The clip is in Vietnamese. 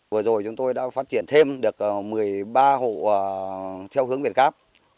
vừa rồi chúng tôi đã phát triển thêm được một mươi ba hộ theo hướng việt gáp